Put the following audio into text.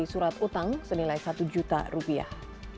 jika anda membeli surat utang senilai satu juta rupiah